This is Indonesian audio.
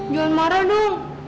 jangan marah dong